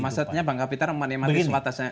maksudnya bang kapitra menikmati sebatasnya